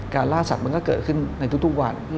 ล่าสัตว์มันก็เกิดขึ้นในทุกวัน